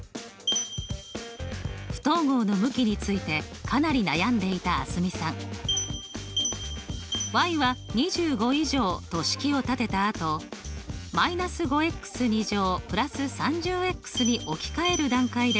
不等号の向きについてかなり悩んでいた蒼澄さん。は２５以上と式を立てたあと−５＋３０に置き換える段階で不等号